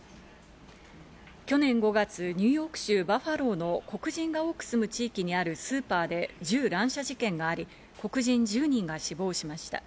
去年５月、ニューヨーク州バファローの黒人が多く住む地域にあるスーパーで銃乱射事件があり、黒人１０人が死亡しました。